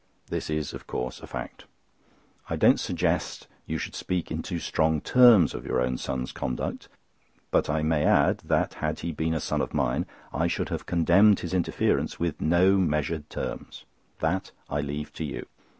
This is, of course, a fact. I don't suggest that you should speak in too strong terms of your own son's conduct; but I may add, that had he been a son of mine, I should have condemned his interference with no measured terms. That I leave to you.